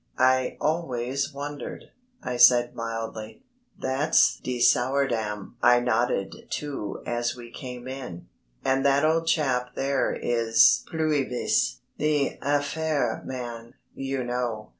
"I always wondered," I said, mildly. "That's de Sourdam I nodded to as we came in, and that old chap there is Pluyvis the Affaire man, you know.